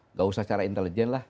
nggak usah secara intelijen lah